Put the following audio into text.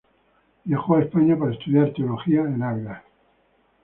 Viajó a España para estudiar Teología en Ávila.